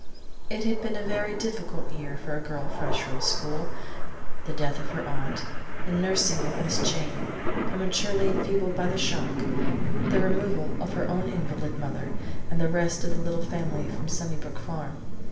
It had been a very difficult year for a girl fresh from school: the death of her aunt, the nursing of Miss Jane, prematurely enfeebled by the shock, the removal of her own invalid mother and the rest of the little family from Sunnybrook Farm.